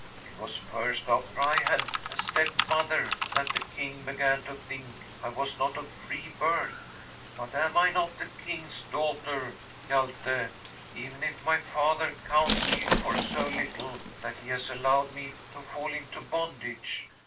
It was first after I had a stepmother that the King began to think I was not of free birth. But am I not a King's daughter, Hjalte, even if my father counts me for so little, that he has allowed me to fall into bondage